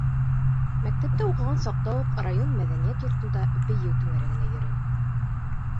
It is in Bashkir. Мәктәптә уҡыған саҡта уҡ район мәҙәниәт йортонда бейеү түңәрәгенә йөрөнө.